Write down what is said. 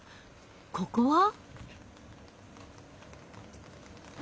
ここは？